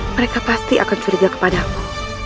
mereka pasti akan curiga kepadamu